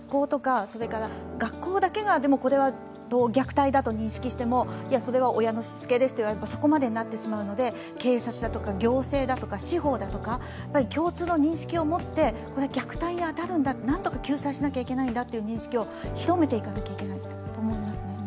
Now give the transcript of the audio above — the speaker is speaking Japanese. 学校だけが、虐待だと認識してもそれは親のしつけですと言われればそこまでになってしまうので警察だとか行政だとか司法だとか共通の認識を持って虐待に当たるんだ、なんとか救済しなきゃいけないんだという認識を広めていかなきゃいけないと思います。